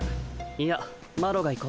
いやマロが行こう